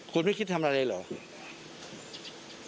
คุณไม่คิดทำอะไรเหรอ